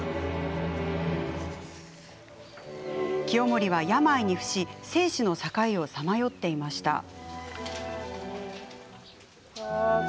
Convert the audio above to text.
清盛は病に伏し生死の境をさまよっていました。